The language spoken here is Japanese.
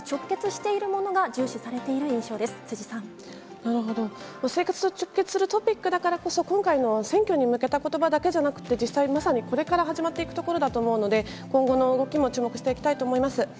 なるほど、生活に直結するトピックだからこそ、今回の選挙に向けたことばだけじゃなくて、実際まさにこれから始まっていくところだと思うので、今後の動きも注目していきたいと思います。